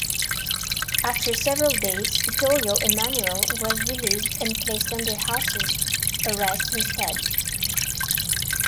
After several days, Vittorio Emanuele was released and placed under house-arrest instead.